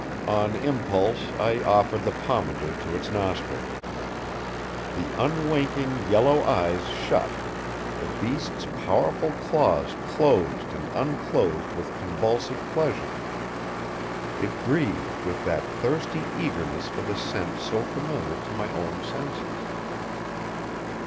On impulse, I offered the pomander to its nostrils. The unwinking yellow eyes shut, the beast's powerful claws closed and unclosed with convulsive pleasure, it breathed with that thirsty eagerness for the scent so familiar to my own senses.